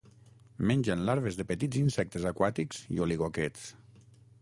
Mengen larves de petits insectes aquàtics i oligoquets.